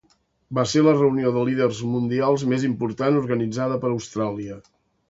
Va ser la reunió de líders mundials més important organitzada per Austràlia.